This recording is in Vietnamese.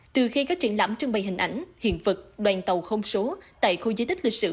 từ khi các triển lãm trưng bày hình ảnh hiện vật đoàn tàu không số tại khu di tích lịch sử